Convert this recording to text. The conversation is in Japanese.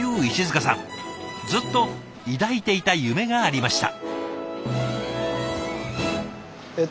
ずっと抱いていた夢がありました。